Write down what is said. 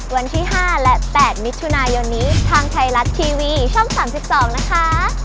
วันที่๕และ๘มิถุนายนนี้ทางไทยรัฐทีวีช่อง๓๒นะคะ